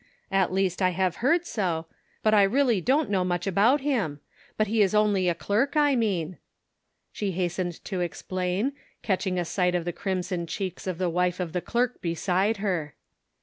At least I have heard so ; but I really don't know much about him ; but he is only a clerk, I mean," she hastened to explain, catching a sight of the crimson cheeks of the wife of the clerk beside her.